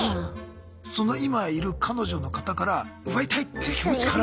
その今いる彼女の方から奪いたいっていう気持ちから？